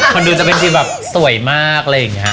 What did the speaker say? คนดูจะเป็นทีแบบสวยมากเลยอย่างนี้ค่ะ